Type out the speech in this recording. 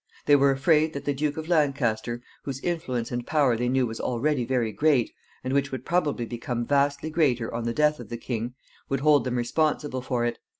They were afraid that the Duke of Lancaster, whose influence and power they knew was already very great, and which would probably become vastly greater on the death of the king, would hold them responsible for it.